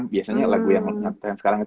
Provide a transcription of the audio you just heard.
biasanya lagu yang ngetrend sekarang